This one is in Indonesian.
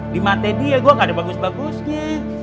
di mata dia gue gak ada bagus bagusnya